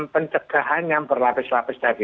pencegahan yang berlapis lapis tadi